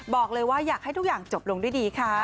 บอกเลยว่าอยากให้ทุกอย่างจบลงด้วยดีค่ะ